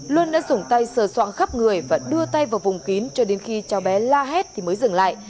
luân đã dùng tay sờ soạn khắp người và đưa tay vào vùng kín cho đến khi cháu bé la hét thì mới dừng lại